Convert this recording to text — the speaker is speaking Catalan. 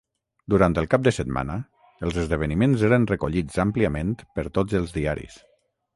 Durant el cap de setmana, els esdeveniments eren recollits àmpliament per tots els diaris.